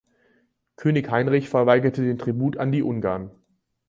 König Heinrich verweigerte den Tribut an die Ungarn.